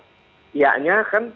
bisa ya bisa tidak mbak